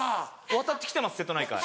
渡ってきてます瀬戸内海。